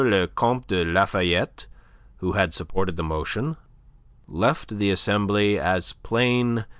le Comte de Lafayette, who had supported the motion, left the Assembly as plain M.